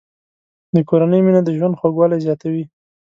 د کورنۍ مینه د ژوند خوږوالی زیاتوي.